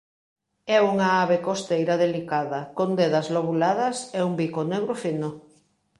É unha ave costeira delicada con dedas lobuladas e un bico negro fino.